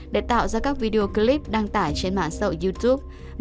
để tạo ra các video clip đăng tải trên mạng xã youtube